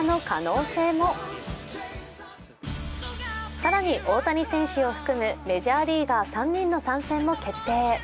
更に、大谷選手を含むメジャーリーガー３人の参戦も決定